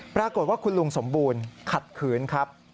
ปรากฏว่าคุณลุงสมบูรณ์ขัดขืนครับ